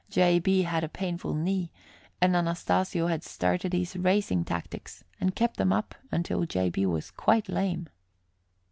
J. B. had a painful knee, and Anastasio had started his racing tactics and kept them up until J. B. was quite lame.